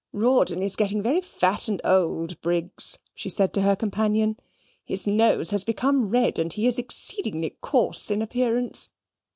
"Rawdon is getting very fat and old, Briggs," she said to her companion. "His nose has become red, and he is exceedingly coarse in appearance.